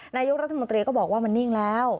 นายกรัฐมนตรีก็บอกว่ามันนิ่งแล้ว